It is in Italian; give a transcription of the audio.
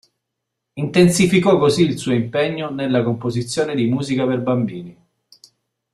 Intensificò così il suo impegno nella composizione di musica per bambini.